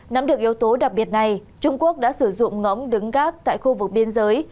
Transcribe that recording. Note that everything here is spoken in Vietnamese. nắm được yếu tố đặc biệt này trung quốc đã sử dụng ngỗng đứng gác tại khu vực biên giới